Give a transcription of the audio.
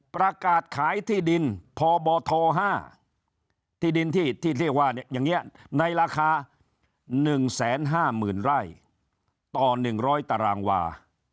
ประกาศขายที่ดินพบท๕ที่ดินที่เรียกว่าอย่างนี้ในราคา๑๕๐๐๐ไร่ต่อ๑๐๐ตารางวา